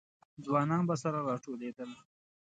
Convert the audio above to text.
ځوانان به سره راټولېدل.